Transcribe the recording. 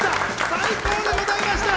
最高でございました！